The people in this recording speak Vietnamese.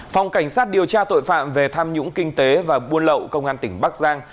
phòng cảnh sát điều tra tội phạm về tham nhũng kinh tế và buôn lậu công an tỉnh bắc giang